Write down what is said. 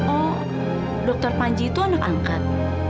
oh dr panji itu anak angkat